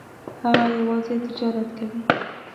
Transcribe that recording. هغه یوازې تجارت کوي.